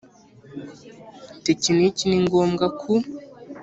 Tekiniki ni ngombwa ku